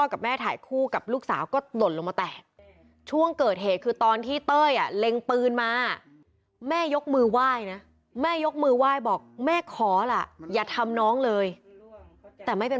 คอยต้องเทรนม่อ